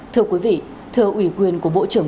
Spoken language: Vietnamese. thưa quý vị thưa ủy quyền của bộ trưởng